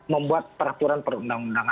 membuat peraturan perundang undang